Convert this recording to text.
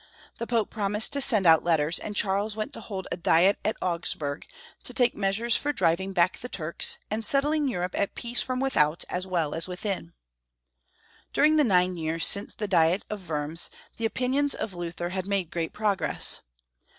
The Pope prom ised to send out letters, and Charles went to hold a diet at Augsburg, to take measures for driving back the Turks, and setting Europe at peace from without as well as within. During the nine years since the Diet of Wurms, the opinions of Luther had made great progress.